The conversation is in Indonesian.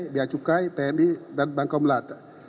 bia cukai tni dan bankomulat